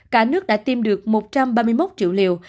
cả nước đã tiêm được một trăm ba mươi một triệu liều